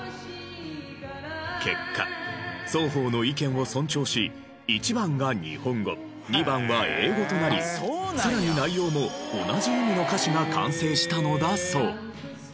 結果双方の意見を尊重し１番が日本語２番は英語となりさらに内容も同じ意味の歌詞が完成したのだそう。